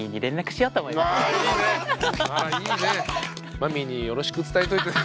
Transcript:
マミーによろしく伝えといてね。